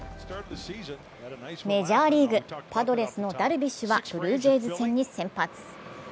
メジャーリーグパドレスのダルビッシュはブルージェイズ戦に先発。